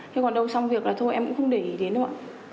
thế còn đâu xong việc là thôi em cũng không để ý đến nữa